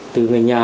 từ người nhà